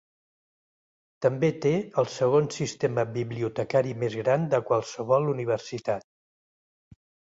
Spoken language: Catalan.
També té el segon sistema bibliotecari més gran de qualsevol universitat.